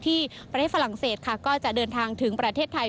ที่ประเทศฝรั่งเศสค่ะก็จะเดินทางถึงประเทศไทย